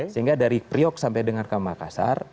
sehingga dari priok sampai dengan ke makassar